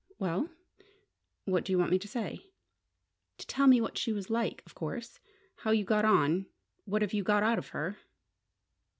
"Well?" "What do you want me to say?" "To tell me what she was like, of course! How you got on what have you got out of her?"